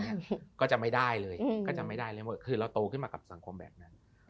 ก็จะไม่ได้เลยก็จะไม่ได้เลยว่าคือเราโตขึ้นมากับสังคมแบบนั้น